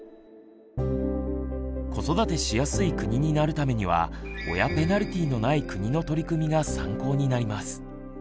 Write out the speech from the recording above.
子育てしやすい国になるためには「親ペナルティー」のない国の取り組みが参考になります。